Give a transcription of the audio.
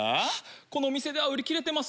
この店では売り切れてます。